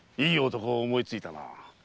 いい男を思いついたな。